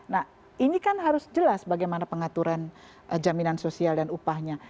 nah ini kan harus jelas bagaimana pengaturan jaminan sosial dan upahnya